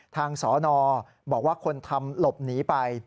สอนอบอกว่าคนทำหลบหนีไป